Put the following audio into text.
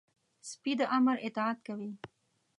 سپي د امر اطاعت کوي.